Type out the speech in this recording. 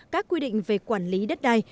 các quy định về quản lý đất đai